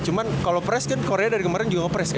cuman kalau press kan korea dari kemarin juga nge press kan